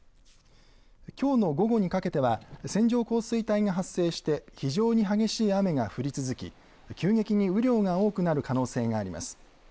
きょうの午後にかけては線状降水帯が発生して非常に激しい雨が降り続き急激に雨量が多くなる可能性があります。